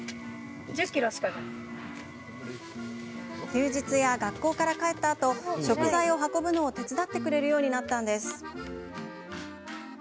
休日や、学校から帰ったあと食材を運ぶのを手伝ってくれるようになったんです。